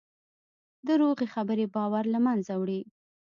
دروغې خبرې باور له منځه وړي.